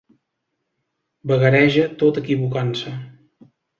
Vagareja tot equivocant-se.